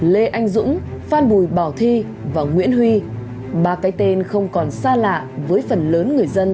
lê anh dũng phan bùi bảo thi và nguyễn huy ba cái tên không còn xa lạ với phần lớn người dân